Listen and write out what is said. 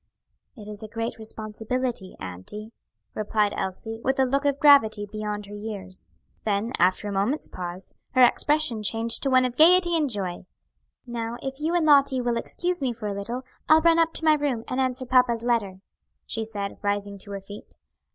"It is a great responsibility, auntie," replied Elsie, with a look of gravity beyond her years. Then after a moment's pause, her expression changing to one of gayety and joy, "Now, if you and Lottie will excuse me for a little, I'll run up to my room, and answer papa's letter," she said, rising to her feet.